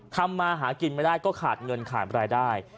ทำมาหากินไม่ได้ก็ขาดเงินขาดรายได้